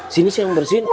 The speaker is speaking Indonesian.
sini saya mbersihin